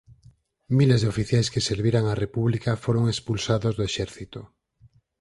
Miles de oficiais que serviran á República foron expulsados do exército.